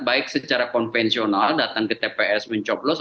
baik secara konvensional datang ke tps mencoblos